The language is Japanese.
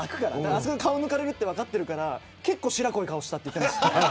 あそこで顔抜かれるって分かってるから結構しらこい顔をしたと言ってました。